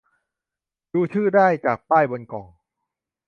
ดูชื่อได้จากป้ายบนกล่อง